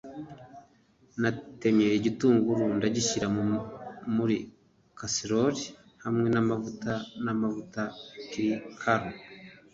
natemye igitunguru ndagishyira muri casserole hamwe namavuta namavuta. (chrikaru